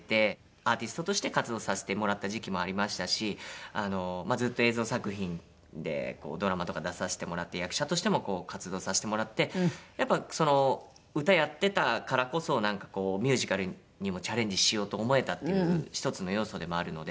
アーティストとして活動させてもらった時期もありましたしずっと映像作品でドラマとか出させてもらって役者としても活動させてもらってやっぱ歌やってたからこそなんかこうミュージカルにもチャレンジしようと思えたっていう１つの要素でもあるので。